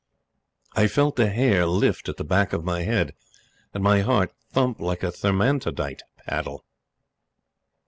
I felt the hair lift at the back of my head, and my heart thump like a thermantidote paddle.